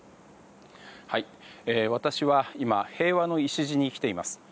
私は今平和の礎に来ています。